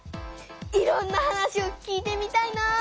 いろんな話を聞いてみたいなぁ。